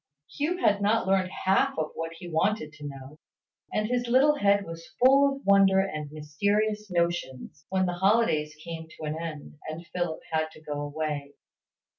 Hugh had not learned half that he wanted to know, and his little head was full of wonder and mysterious notions, when the holidays came to an end, and Philip had to go away.